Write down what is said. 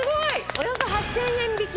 およそ８０００円引き？